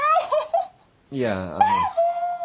いやあの。